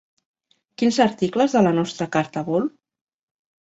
Quins articles de la nostra carta vol?